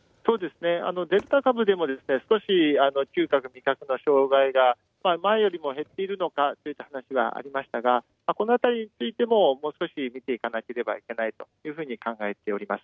デルタ株でも、少し嗅覚、味覚の障害が前よりも減っているのかといった話はありましたが、このあたりについても、もう少し見ていかなければいけないというふうに考えています。